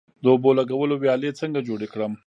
د اوبو لګولو ویالې څنګه جوړې کړم؟